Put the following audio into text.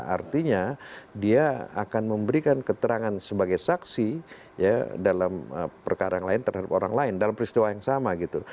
artinya dia akan memberikan keterangan sebagai saksi ya dalam perkara yang lain terhadap orang lain dalam peristiwa yang sama gitu